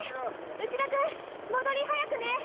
内田君戻り早くね！